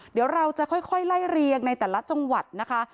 เดี๋ยวเราจะค่อยไล่เรียงในแต่ละจังหวัดนะคะ